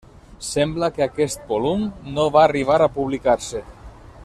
Sembla que aquest volum no va arribar a publicar-se.